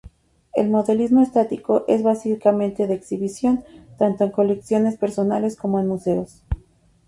El Modelismo Estático es básicamente de exhibición, tanto en colecciones personales como en museos.